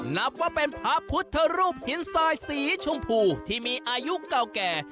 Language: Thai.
นับว่าเป็นพระพุทธรูปหินทรายสีชมพูที่มีอายุเก่าแก่